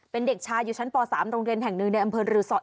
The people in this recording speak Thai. เป็นเด็กชายอยู่ชั้นป๓โรงเรียนแห่งหนึ่งในอำเภอรือสอ